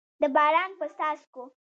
د باران په څاڅکو